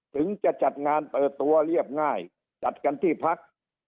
ถึงจะจัดงานเปิดตัวเรียบง่ายจัดกันที่พัก